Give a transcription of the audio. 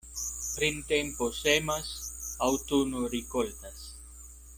Printempo semas, aŭtuno rikoltas.